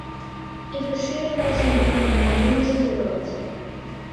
It was serialised in Britain by "The News of the World".